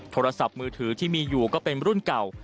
โทรศัพท์มือถือที่มีอยู่ก็เป็นรุ่นเก่า